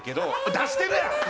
出してるやん！